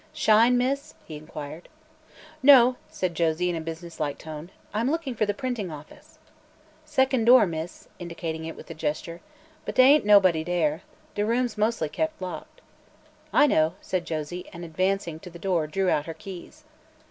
"Shine, miss?" he inquired. "No," said Josie in a businesslike tone; "I'm looking for the printing office." "Secon' door, miss," indicating it with a gesture; "but dey ain't nobody dere. De room's mos'ly kep' locked." "I know," said Josie, and advancing to the door drew out her keys.